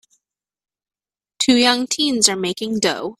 Two young teens are making dough.